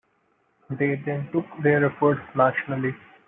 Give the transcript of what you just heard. They then took their efforts nationally.